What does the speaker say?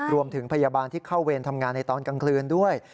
พยาบาลที่เข้าเวรทำงานในตอนกลางคืนด้วย